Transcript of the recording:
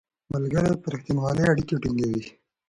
ملګري په رښتینولۍ اړیکې ټینګوي